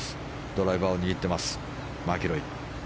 ドライバーを握っていますマキロイ。